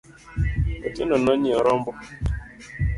Otieno nonyiewo rombo